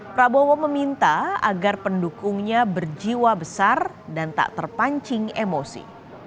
prabowo meminta agar pendukungnya berjiwa besar dan tak terpancing emosi